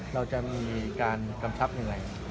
เราจะมีการกำชับอย่างไร